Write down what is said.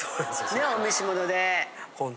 ねお召し物で。